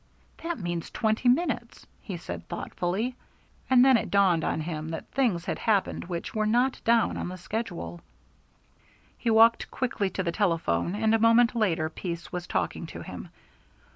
"That means twenty minutes," he said thoughtfully, and then it dawned on him that things had happened which were not down on the schedule. He walked quickly to the telephone, and a moment later Pease was talking to him.